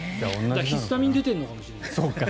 だからヒスタミンが出ているのかもしれない。